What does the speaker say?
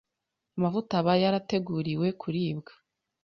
amavuta aba yarateguriwe kuribwa